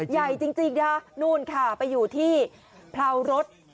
ใหญ่จริงนะคะนู่นค่ะไปอยู่ที่เพรารถ